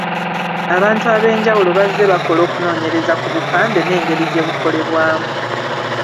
Abantu ab'enjawulo bazze bakola okunoonyereza ku bupande n'engeri gye bukolebwamu.